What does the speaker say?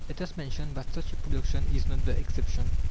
Let us mention that such a production is not the exception.